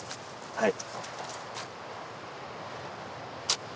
はい。